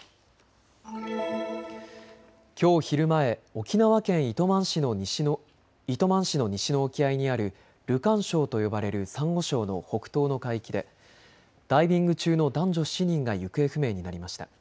きょう昼前、沖縄県糸満市の西の沖合にあるルカン礁と呼ばれるサンゴ礁の北東の海域でダイビング中の男女７人が行方不明になりました。